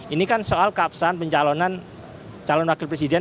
ini kan soal keabsahan pencalonan calon wakil presiden